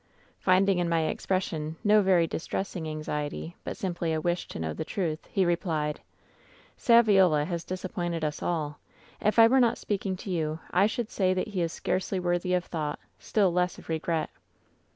"Finding in my expression no very distressing anxiety, but simply a wish to know the truth, he re plied :" *Sa viola has disappointed us all. If I were not speaking to you I should say that he is scarcely worthy of thought, still less of regret.'